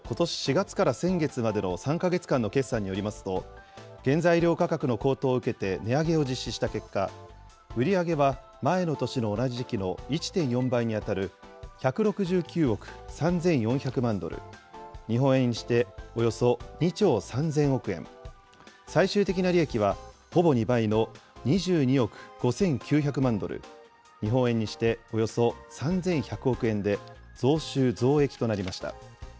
４月から先月までの３か月間の決算によりますと、原材料価格の高騰を受けて値上げを実施した結果、売り上げは前の年の同じ時期の１．４倍に当たる、１６９億３４００万ドル、日本円にしておよそ２兆３０００億円、最終的な利益は、ほぼ２倍の２２億５９００万ドル、日本円にしておよそ３１００億円で増収増益となりました。